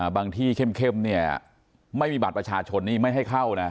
ที่เข้มเนี่ยไม่มีบัตรประชาชนนี่ไม่ให้เข้านะ